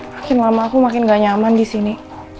makin lama aku makin gak nyaman di sini